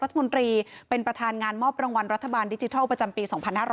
รัฐมนตรีเป็นประธานงานมอบรางวัลรัฐบาลดิจิทัลประจำปี๒๕๕๙